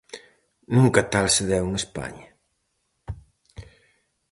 Nunca tal se deu en España.